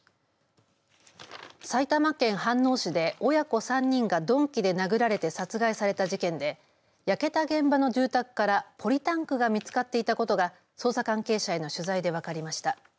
埼玉県飯能市で親子３人が鈍器で殴られて殺害された事件で焼けた現場の住宅からポリタンクが見つかっていたことが捜査関係者への取材で分かりました。